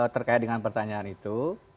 terkait dengan pertanyaan itu